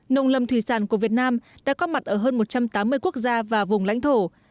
nông lâm thủy sản của việt nam đã có mặt ở hơn một trăm tám mươi quốc gia và vùng lãnh thổ